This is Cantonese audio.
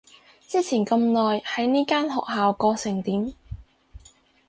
之前咁耐喺呢間學校過成點？